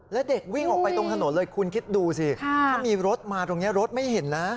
แล้วเด็กวิ่งออกไปตรงถนนเลยคุณคิดดูสิถ้ามีรถมาตรงนี้รถไม่เห็นนะ